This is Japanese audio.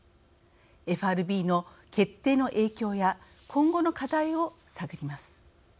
ＦＲＢの決定の影響や今後の課題を探ります。